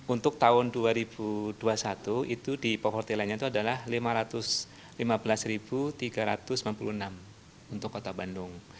untuk tahun dua ribu dua puluh satu itu di povertil lainnya itu adalah lima ratus lima belas tiga ratus sembilan puluh enam untuk kota bandung